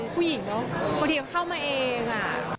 ผู้หญิงเนอะบางทีก็เข้ามาเอง